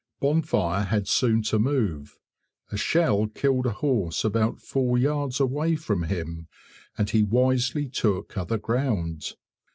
Bonfire had soon to move; a shell killed a horse about four yards away from him, and he wisely took other ground.